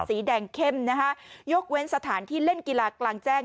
สีแดงเข้มนะคะยกเว้นสถานที่เล่นกีฬากลางแจ้ง